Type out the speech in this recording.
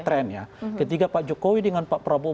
trennya ketika pak jokowi dengan pak prabowo